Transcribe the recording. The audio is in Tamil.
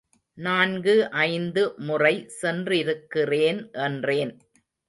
நான்கு ஐந்து முறை சென்றிருக்கிறேன் என்றேன்.